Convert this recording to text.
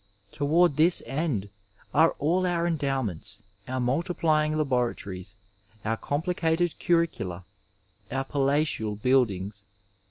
Toward this end are all our endowments, our multiplying laboratories, our complicated curricula, our palatial buildings.